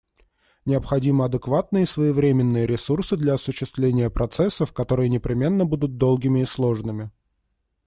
Необходимы адекватные и своевременные ресурсы для осуществления процессов, которые непременно будут долгими и сложными.